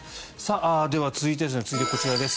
では続いてこちらです。